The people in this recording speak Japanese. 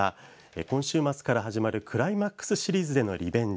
今週末から始まるクライマックスシリーズでのリベンジ